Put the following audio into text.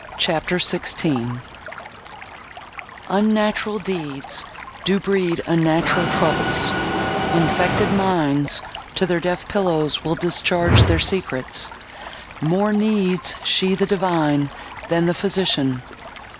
CHAPTER XVI Unnatural deeds Do breed unnatural troubles: infected minds To their deaf pillows will discharge their secrets. More needs she the divine, than the physician.